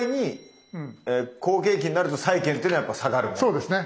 そうですね。